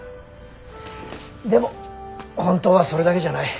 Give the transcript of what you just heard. でも本当はそれだけじゃない。